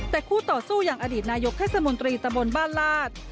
แต่คู่ต่อสู้อย่างอดีตนายกเทศมนตรีตะบนบ้านลาด